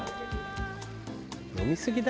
「飲みすぎだろ」